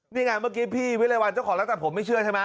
นี่ไงเมื่อกี้พี่วิรัยวัลเจ้าของร้านตัดผมไม่เชื่อใช่ไหม